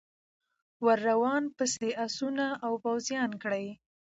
ور روان پسي آسونه او پوځیان کړی